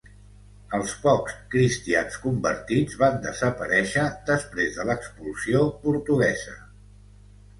Els pocs cristians convertits van desaparèixer després de l'expulsió portuguesa.